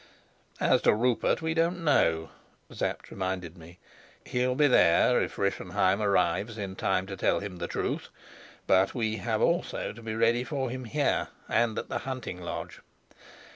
"As to Rupert, we don't know," Sapt reminded me. "He'll be there if Rischenheim arrives in time to tell him the truth. But we have also to be ready for him here, and at the hunting lodge.